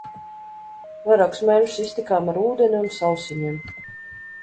Vairākus mēnešus iztikām ar ūdeni un sausiņiem.